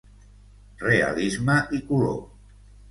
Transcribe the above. Realisme i color.